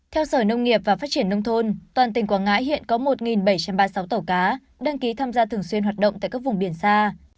theo sở nông nghiệp và phát triển nông thôn toàn tỉnh quảng ngãi hiện có một bảy trăm ba mươi sáu tàu cá đăng ký tham gia thường xuyên hoạt động tại các vùng biển xa